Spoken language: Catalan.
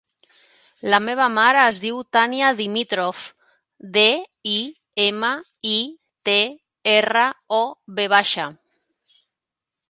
La meva mare es diu Tània Dimitrov: de, i, ema, i, te, erra, o, ve baixa.